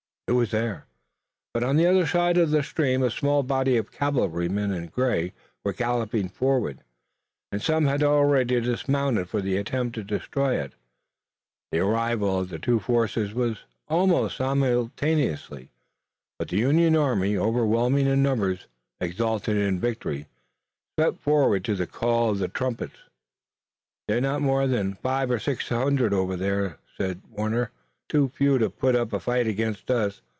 It was there, but on the other side of the stream a small body of cavalrymen in gray were galloping forward, and some had already dismounted for the attempt to destroy it. The arrival of the two forces was almost simultaneous, but the Union army, overwhelming in numbers, exulting in victory, swept forward to the call of the trumpets. "They're not more than five or six hundred over there," said Warner, "too few to put up a fight against us.